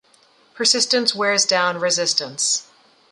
Persistence Wears Down Resistance.